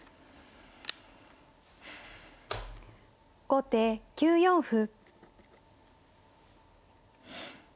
後手９四歩。